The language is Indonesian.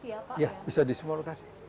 artinya bisa di semua lokasi ya pak